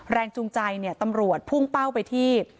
แรงจูงใจตำรวจพุ่งเป้าไปที่